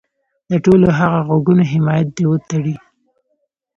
د ټولو هغه غږونو حمایت دې وتړي.